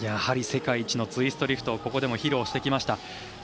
世界一のツイストリフトをここでも披露しました。